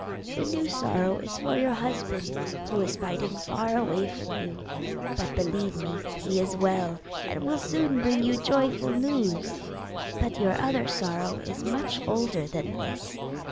The new sorrow is for your husband, who is fighting far away from you; but, believe me, he is well, and will soon bring you joyful news. But your other sorrow is much older than this.